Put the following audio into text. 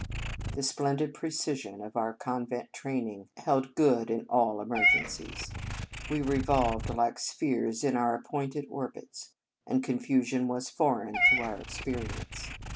The splendid precision of our convent training held good in all emer gencies. We revolved like spheres in our appointed orbits, and confusion was foreign to our experience.